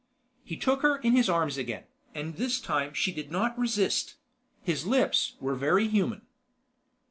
He took her in his arms again, and this time she did not resist. His lips were very human.